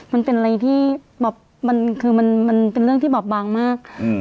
มันเป็นอะไรที่แบบมันคือมันเป็นเรื่องที่บอบบางมาก